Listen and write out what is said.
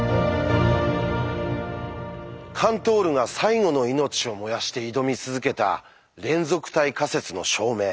カントールが最後の命を燃やして挑み続けた「連続体仮説」の証明。